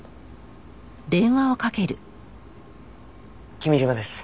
君嶋です。